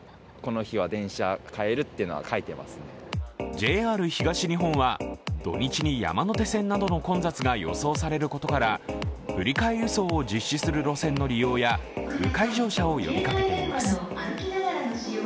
ＪＲ東日本は、土日に山手線などの混雑が予想されることから振替輸送を実施する路線の利用やう回乗車を呼びかけています。